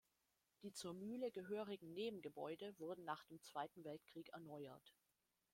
Die zur Mühle gehörigen Nebengebäude wurden nach dem Zweiten Weltkrieg erneuert.